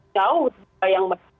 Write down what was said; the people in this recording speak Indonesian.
jauh dari yang tadi